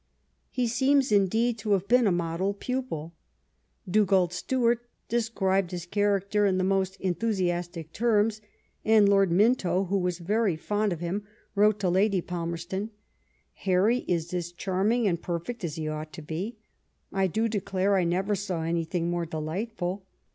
He seems, indeed, to have been a model pupil. Dugald Stewart ' described his character in the most enthusiastic terms ; and Lord Minto, who was very food of him, wrote to Lady Palmerston :'' Harry is as charm ing and perfect as he ought to be ; I do declare I never saw anydiing more delightful.